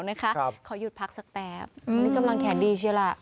อันนี้กำลังแขนดีสิล่ะ